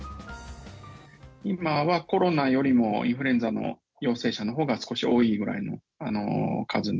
今はコロナよりもインフルエンザの陽性者のほうが少し多いぐ